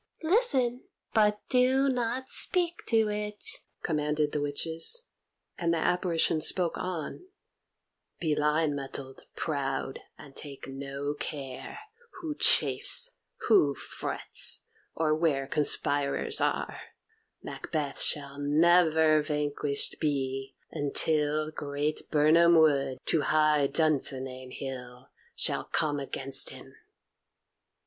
"Listen, but do not speak to it," commanded the witches; and the Apparition spoke on: "Be lion mettled, proud; and take no care Who chafes, who frets, or where conspirers are: Macbeth shall never vanquished be until Great Birnam wood to high Dunsinane hill Shall come against him."